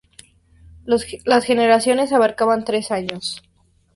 Las generaciones abarcan tres años.